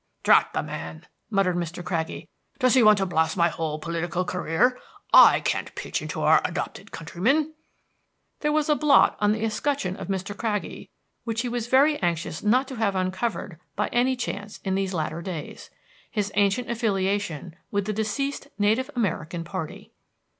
"Drat the man!" muttered Mr. Craggie, "does he want to blast my whole political career! I can't pitch into our adopted countrymen." There was a blot on the escutcheon of Mr. Craggie which he was very anxious not to have uncovered by any chance in these latter days, his ancient affiliation with the deceased native American party.